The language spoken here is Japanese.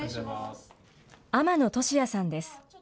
天野敏也さんです。